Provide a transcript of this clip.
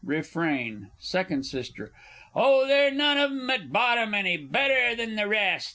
Refrain. Second S. Oh, they're none of 'em at bottom any better than the rest!